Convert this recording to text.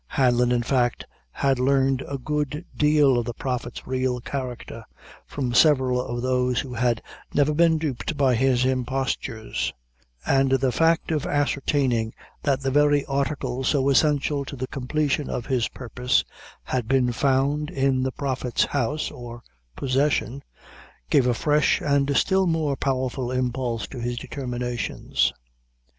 Hanlon, in fact, had learned a good deal of the Prophet's real character, from several of those who had never been duped by his impostures; and the fact of ascertaining that the very article so essential to the completion of his purpose, had been found in the Prophet's house or possession, gave a fresh and still more powerful impulse to his determinations.